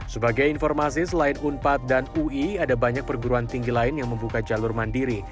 sebagai informasi selain unpad dan ui ada banyak perguruan tinggi lain yang membuka jalur mandiri